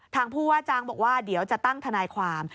ผู้ว่าจ้างบอกว่าเดี๋ยวจะตั้งทนายความ